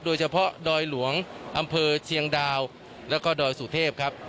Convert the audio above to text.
โดยเฉพาะดอยหลวงอำเภอเชียงดาวแล้วก็ดอยสุเทพครับ